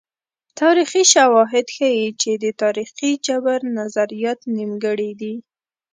تاریخي شواهد ښيي چې د تاریخي جبر نظریات نیمګړي دي.